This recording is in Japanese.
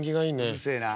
うるせえな。